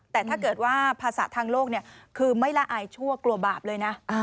แต่ถ้าเกิดว่าภาษาทางโลกคือไม่ละอายชั่วกลัวบาปเลยนะ